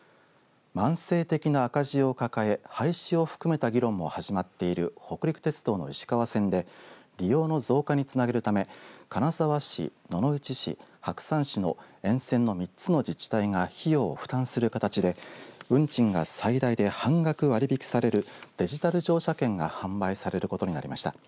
慢性的な赤字を抱え廃止を含めた議論も始まっている北陸鉄道の石川線で利用の増加につなげるため金沢市野々市市白山市の沿線の３つの自治体が費用を負担する形で、運賃が最大で半額割引されるデジタル乗車券が販売されることになりました。